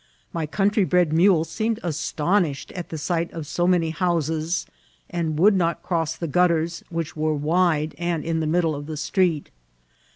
My coantry bred mule seemed astonished at the sight of so many houses, and would not cross the gutters, which were wide, and in the middle of the street.